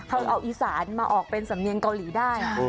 เราเอาอีสานมาออกเป็นสำเนียงเกาหลีได้